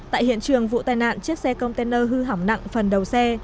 tại hiện trường vụ tai nạn chiếc xe container hư hỏng nặng phần đầu xe